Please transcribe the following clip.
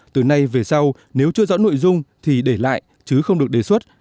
từ nay về sau nếu chưa rõ nội dung thì để lại chứ không được đề xuất